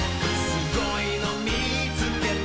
「すごいのみつけた」